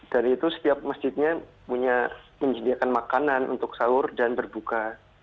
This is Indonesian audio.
dan itu setiap masjidnya punya menyediakan makanan untuk sahur dan berbuka